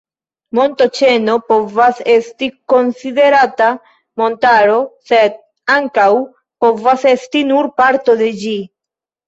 Montoĉeno povas esti konsiderata montaro, sed ankaŭ povas esti nur parto de ĝi.